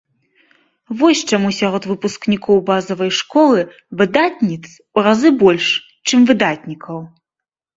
Вось чаму сярод выпускнікоў базавай школы выдатніц у разы больш, чым выдатнікаў.